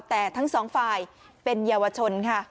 แต่ทั้งสองฝ่ายเป็นเยาวชนค่ะ